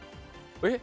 えっ？